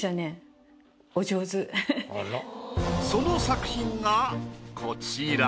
その作品がこちら。